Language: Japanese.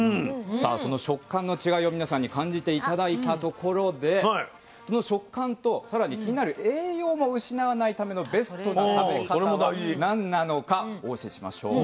さあその食感の違いを皆さんに感じて頂いたところでその食感とさらに気になる栄養を失わないためのベストな食べ方は何なのかお教えしましょう。